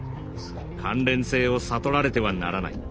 関連性を悟られてはならない。